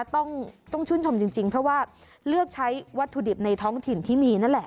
ต้องชื่นชมจริงเพราะว่าเลือกใช้วัตถุดิบในท้องถิ่นที่มีนั่นแหละ